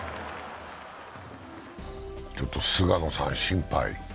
ちょっと菅野さん、心配。